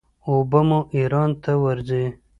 اوبه مو ایران ته ورځي.